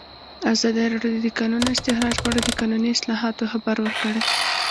ازادي راډیو د د کانونو استخراج په اړه د قانوني اصلاحاتو خبر ورکړی.